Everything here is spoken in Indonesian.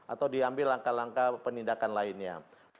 atau diambil langkah langkah penindakan lainnya